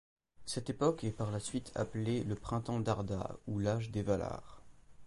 Cette époque est par la suite appelée le Printemps d'Arda, ou l'Âge des Valar.